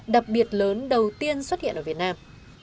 đặc biệt lớn đầu tiên xuất hiện ở việt nam